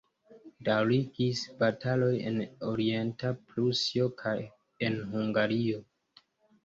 Daŭrigis bataloj en Orienta Prusio kaj en Hungario.